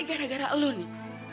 ini gara gara elu nih